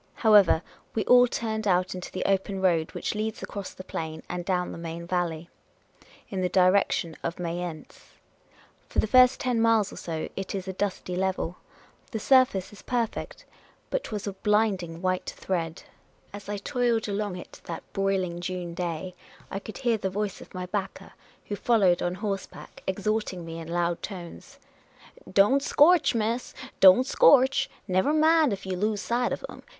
However, we all turned out into the open road which leads across the plain and down the Main Valley, in the direction of Mayence. For the first ten miles or so, it is a dusty level. The surface is perfect ; but 't was a blinding white thread. 6 82 Miss Cayley's Adventures As I toiled along it, that broiling June day, I could hear the voice of my backer, who followed on horseback, exhorting " DON T SCORCH, MISS; DON T SCOKCH. me in loud tones, " Don't scorch, miss ; don't scorch ; never mind ef you lose sight of 'em.